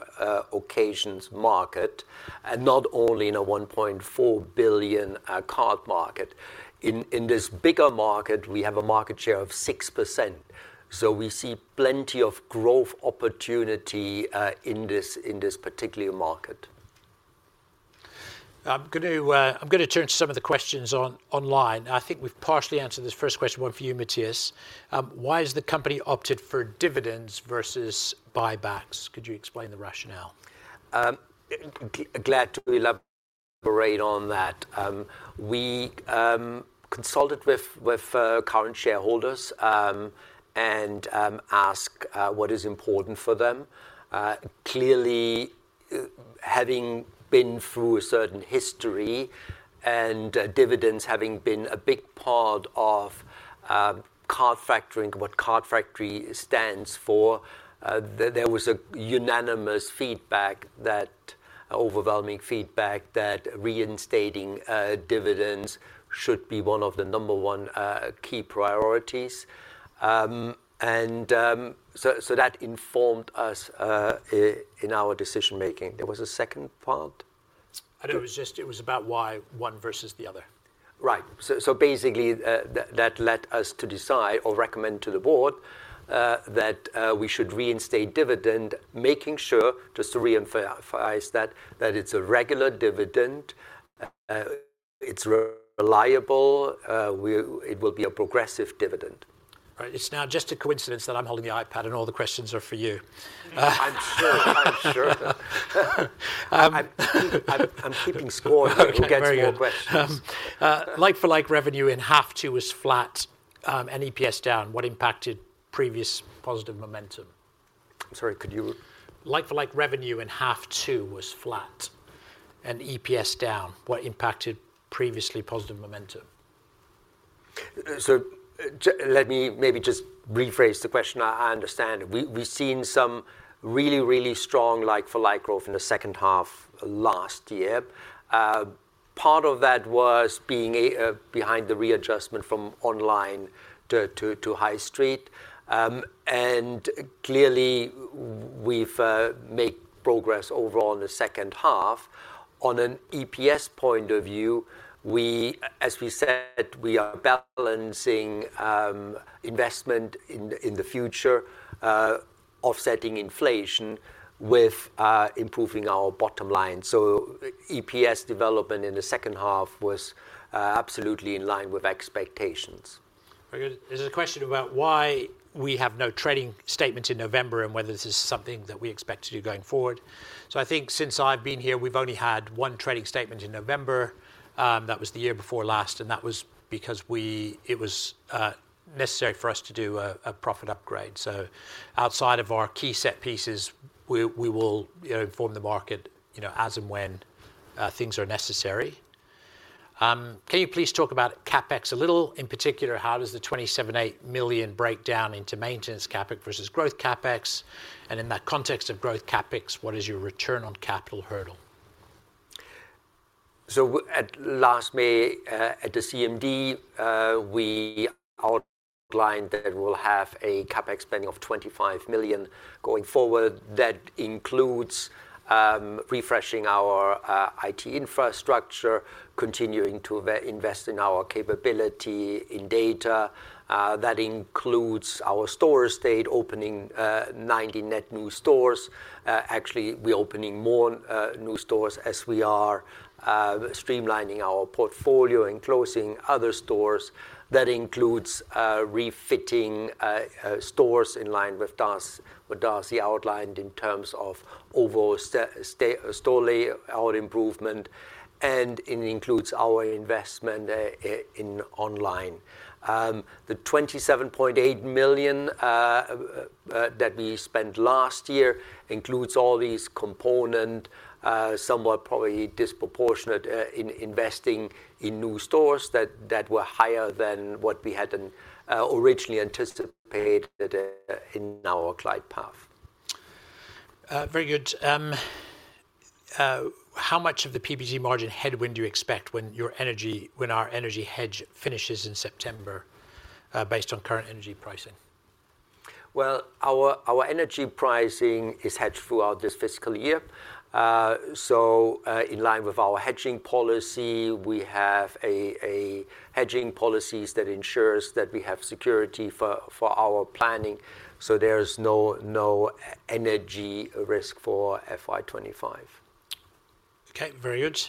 occasions market, and not only in a 1.4 billion card market. In this bigger market, we have a market share of 6%, so we see plenty of growth opportunity in this particular market. I'm going to turn to some of the questions online. I think we've partially answered this first question, one for you, Matthias. Why has the company opted for dividends versus buybacks? Could you explain the rationale? Glad to. We deliberated on that. We consulted with current shareholders and asked what is important for them. Clearly, having been through a certain history and dividends having been a big part of Card Factory, what Card Factory stands for, there was unanimous feedback, overwhelming feedback, that reinstating dividends should be one of the number one key priorities. And so that informed us in our decision-making. There was a second part? It was just, it was about why one versus the other. Right. So basically, that led us to decide or recommend to the Board that we should reinstate dividend, making sure, just to reinforce that, that it's a regular dividend, it's reliable, it will be a progressive dividend. Right. It's now just a coincidence that I'm holding the iPad and all the questions are for you. I'm sure. I'm sure. Um I'm keeping score here. Okay, very good.... we'll get to your questions. Like-for-like revenue in half two was flat, and EPS down. What impacted previous positive momentum? I'm sorry, could you- Like-for-like revenue in half two was flat and EPS down. What impacted previously positive momentum? So let me maybe just rephrase the question. I understand. We've seen some really, really strong like-for-like growth in the second half last year. Part of that was being behind the readjustment from online to High Street. And clearly, we've made progress overall in the second half. On an EPS point of view, we, as we said, we are balancing investment in the future offsetting inflation with improving our bottom line. So EPS development in the second half was absolutely in line with expectations. Very good. There's a question about why we have no trading statements in November and whether this is something that we expect to do going forward. So I think since I've been here, we've only had one trading statement in November. That was the year before last, and that was because it was necessary for us to do a profit upgrade. So outside of our key set pieces, we will, you know, inform the market, you know, as and when things are necessary. Can you please talk about CapEx a little? In particular, how does the 27.8 million break down into maintenance CapEx versus growth CapEx? And in that context of growth CapEx, what is your return on capital hurdle? So at last May, at the CMD, we outlined that we'll have a CapEx spending of 25 million going forward. That includes refreshing our IT infrastructure, continuing to invest in our capability in data. That includes our store estate, opening 90 net new stores. Actually, we're opening more new stores as we are streamlining our portfolio and closing other stores. That includes refitting stores in line with Darcy, with Darcy outlined in terms of overall store layout improvement, and it includes our investment in online. The 27.8 million that we spent last year includes all these component, somewhat probably disproportionate, in investing in new stores that were higher than what we had originally anticipated in our glide path. Very good. How much of the PBT margin headwind do you expect when your energy—when our energy hedge finishes in September, based on current energy pricing?... Well, our energy pricing is hedged throughout this fiscal year. So, in line with our hedging policy, we have a hedging policy that ensures that we have security for our planning, so there's no energy risk for FY 2025. Okay, very good.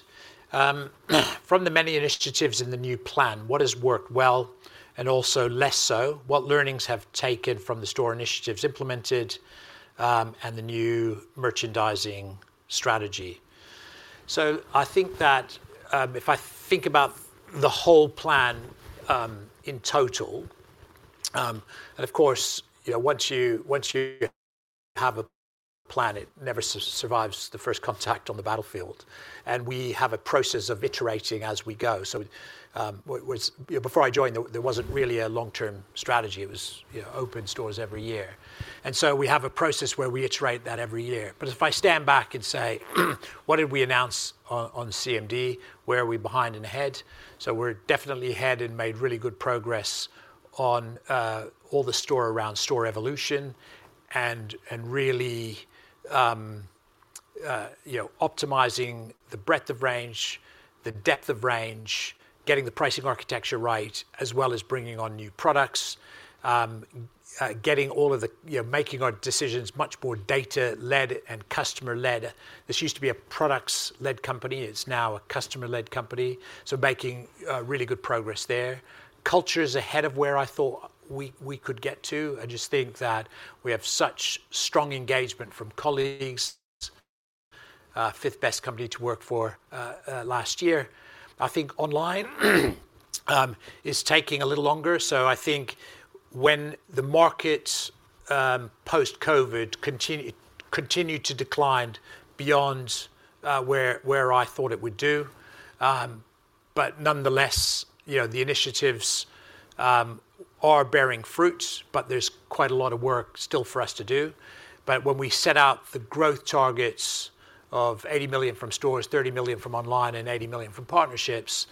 From the many initiatives in the new plan, what has worked well and also less so? What learnings have taken from the store initiatives implemented, and the new merchandising strategy? So I think that, if I think about the whole plan, in total, and of course, you know, once you have a plan, it never survives the first contact on the battlefield. And we have a process of iterating as we go. So, what was you know, before I joined, there wasn't really a long-term strategy. It was, you know, open stores every year. And so we have a process where we iterate that every year. But if I stand back and say, what did we announce on CMD? Where are we behind and ahead? So we're definitely ahead and made really good progress on all the Store Evolution and really you know, optimizing the breadth of range, the depth of range, getting the pricing architecture right, as well as bringing on new products. You know, making our decisions much more data-led and customer-led. This used to be a products-led company. It's now a customer-led company, so making really good progress there. Culture is ahead of where I thought we could get to. I just think that we have such strong engagement from colleagues, fifth best company to work for last year. I think online is taking a little longer, so I think when the market post-COVID continued to decline beyond where I thought it would do. But nonetheless, you know, the initiatives are bearing fruit, but there's quite a lot of work still for us to do. But when we set out the growth targets of 80 million from stores, 30 million from online, and 80 million from partnerships,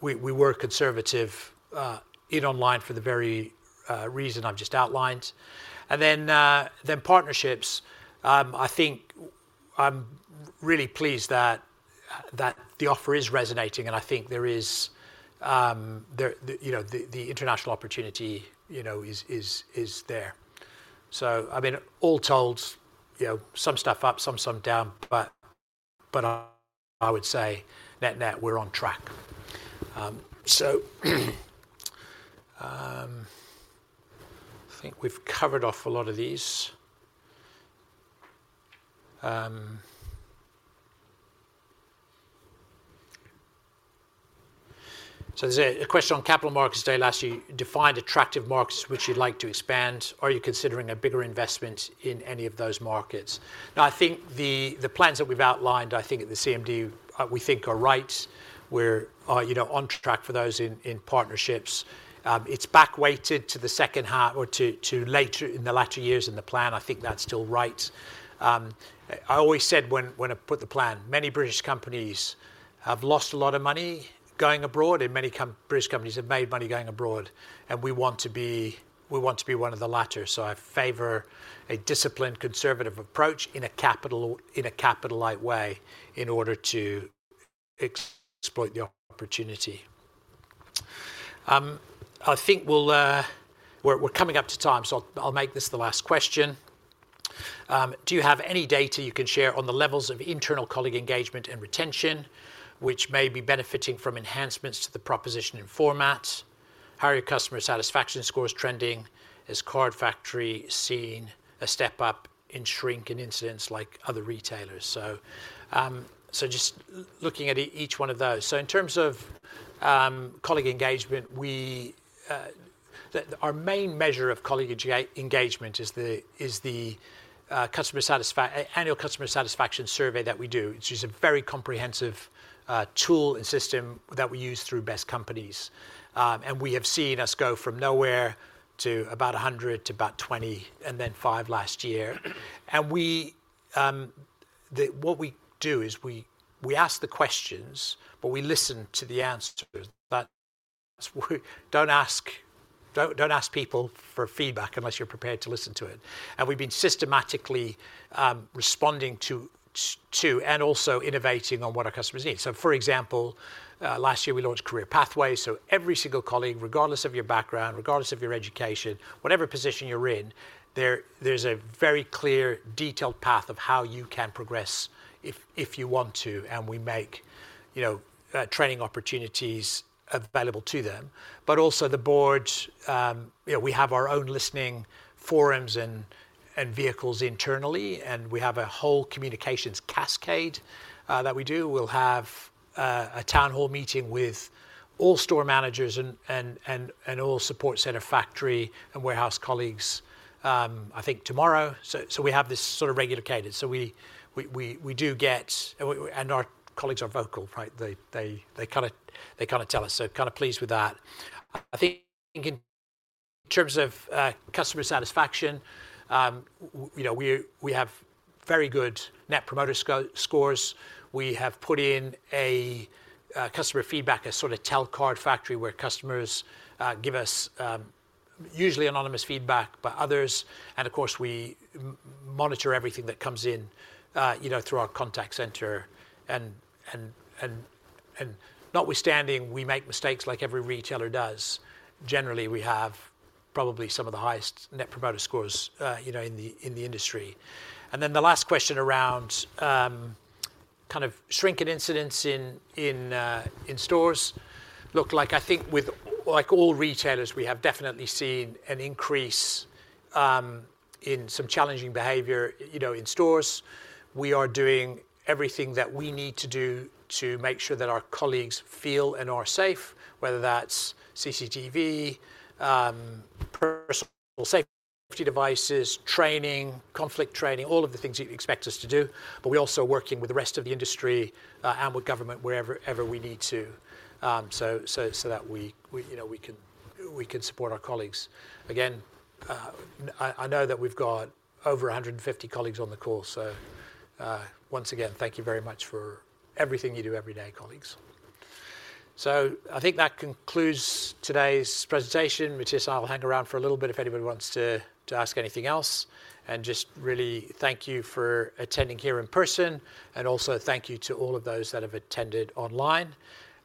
we were conservative in online for the very reason I've just outlined. And then partnerships, I think I'm really pleased that the offer is resonating, and I think there is, you know, the international opportunity, you know, is there. So, I mean, all told, you know, some stuff up, some down, but I would say net-net, we're on track. So, I think we've covered off a lot of these. So there's a question on Capital Markets Day last year. You defined attractive markets which you'd like to expand. Are you considering a bigger investment in any of those markets? Now, I think the plans that we've outlined, I think at the CMD, we think are right. We're, you know, on track for those in partnerships. It's back weighted to the second half or to later, in the latter years in the plan. I think that's still right. I always said when I put the plan, many British companies have lost a lot of money going abroad, and many British companies have made money going abroad, and we want to be, we want to be one of the latter. So I favor a disciplined, conservative approach in a capital, in a capital-light way, in order to exploit the opportunity. I think we'll... We're coming up to time, so I'll make this the last question. Do you have any data you can share on the levels of internal colleague engagement and retention, which may be benefiting from enhancements to the proposition in formats? How are your customer satisfaction scores trending? Is Card Factory seeing a step up in shrink and incidents like other retailers? So, just looking at each one of those. So in terms of colleague engagement, our main measure of colleague engagement is the annual customer satisfaction survey that we do, which is a very comprehensive tool and system that we use through Best Companies. And we have seen us go from nowhere to about 100, to about 120, and then 125 last year. What we do is we ask the questions, but we listen to the answers. But we don't ask people for feedback unless you're prepared to listen to it. We've been systematically responding to and also innovating on what our customers need. For example, last year we launched Career Pathways. Every single colleague, regardless of your background, regardless of your education, whatever position you're in, there's a very clear, detailed path of how you can progress if you want to, and we make, you know, training opportunities available to them. But also the Board, you know, we have our own listening forums and vehicles internally, and we have a whole communications cascade that we do. We'll have a town hall meeting with all store managers and all Support Centre factory and warehouse colleagues, I think tomorrow. So we have this sort of regular cadence. So we do get. And we, and our colleagues are vocal, right? They kind of tell us, so kind of pleased with that. I think in terms of customer satisfaction, you know, we have very good Net Promoter Scores. We have put in a customer feedback, a sort of Tell Card Factory, where customers give us usually anonymous feedback, but others. And of course, we monitor everything that comes in, you know, through our contact center. And notwithstanding, we make mistakes like every retailer does. Generally, we have probably some of the highest Net Promoter Scores, you know, in the industry. And then the last question around kind of shrink and incidents in stores. Look, like, I think with like all retailers, we have definitely seen an increase in some challenging behavior you know in stores. We are doing everything that we need to do to make sure that our colleagues feel and are safe, whether that's CCTV, personal safety devices, training, conflict training, all of the things you'd expect us to do. But we're also working with the rest of the industry and with government wherever we need to so that we you know we can support our colleagues. Again, I know that we've got over 150 colleagues on the call, so, once again, thank you very much for everything you do every day, colleagues. So I think that concludes today's presentation. Matthias and I will hang around for a little bit if anybody wants to ask anything else. And just really thank you for attending here in person, and also thank you to all of those that have attended online.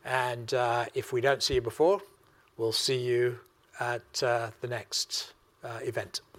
And, if we don't see you before, we'll see you at the next event.